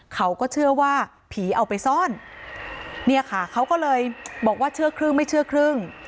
เขาก็เชื่อว่าผีเอาไปซ่อนเนี่ยค่ะเขาก็เลยบอกว่าเชื่อครึ่งไม่เชื่อครึ่ง